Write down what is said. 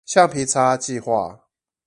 橡皮擦計畫